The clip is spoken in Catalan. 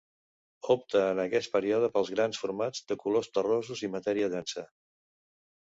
Opta en aquest període pels grans formats de colors terrossos i matèria densa.